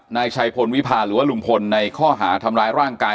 นายชัยพลวิพาหรือว่าลุงพลในข้อหาทำร้ายร่างกาย